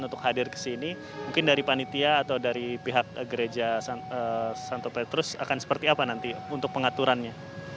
untuk hadir ke sini mungkin dari panitia atau dari pihak gereja santo petrus akan seperti apa nanti untuk pengaturannya